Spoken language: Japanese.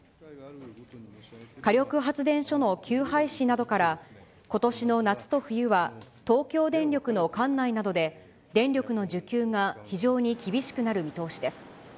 火力発電所の休廃止などから、ことしの夏と冬は、東京電力の管内などで、電力の需給が非常に厳しくなる見通しです。